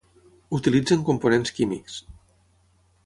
Utilitzen components químics.